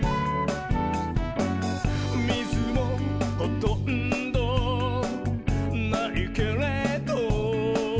「みずもほとんどないけれど」